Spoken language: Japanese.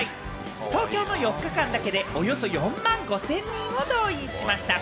東京の４日間だけでおよそ４万５０００人を動員しました。